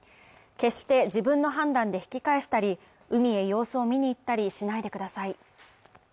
決して自分の判断で引き返したり、海へ様子を見に行ったりしないでください。